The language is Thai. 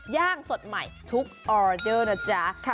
ย่างสดใหม่ทุกออเดอร์นะจ๊ะ